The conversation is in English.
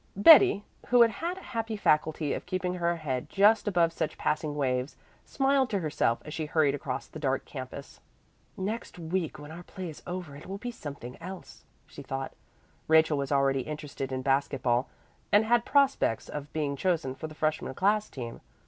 Betty, who had a happy faculty of keeping her head just above such passing waves, smiled to herself as she hurried across the dark campus. "Next week, when our play is over it will be something else," she thought. Rachel was already interested in basket ball and had prospects of being chosen for the freshman class team.